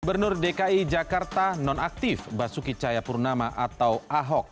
pembernur dki jakarta non aktif basuki cayapurnama atau ahok